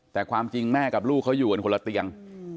แต่ความจริงแม่กับลูกเขาอยู่กันคนละเตียง